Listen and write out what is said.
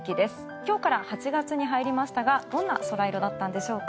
今日から８月に入りましたがどんなソライロだったんでしょうか。